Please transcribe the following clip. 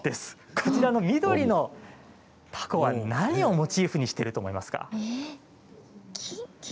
こちらの緑の凧は何をモチーフにしていると思いますか？